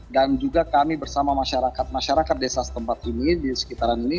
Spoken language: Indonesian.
dan juga kami bersama masyarakat masyarakat desa setempat ini di sekitaran ini